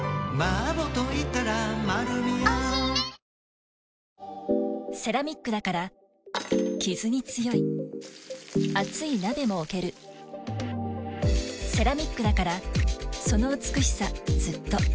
ニトリセラミックだからキズに強い熱い鍋も置けるセラミックだからその美しさずっと伸長式もお、ねだん以上。